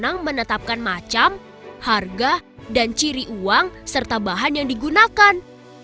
senang menetapkan macam harga dan ciri uang serta bahan yang digunakan